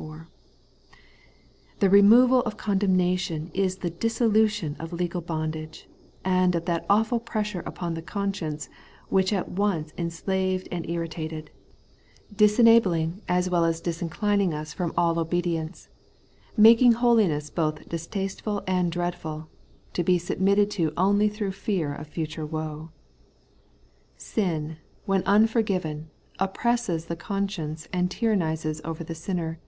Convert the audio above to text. * The removal of condemnation is the dissolution of legal bondage, and of that awful pressure upon the conscience which at once enslaved and irritated ; The Holy Life of the Justified, 185 disenabling as well as disinclining ns from all obedi ence ; making holiness both distasteful and dreadful, to be submitted to only through fear of future woe. Sin, when imforgiven, oppresses the conscience and tyrannizes over the sinner.